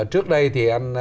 trước đây thì